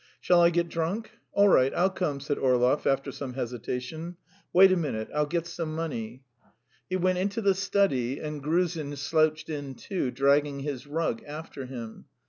"Shall I get drunk? All right, I'll come," said Orlov after some hesitation. "Wait a minute; I'll get some money." He went into the study, and Gruzin slouched in, too, dragging his rug after him.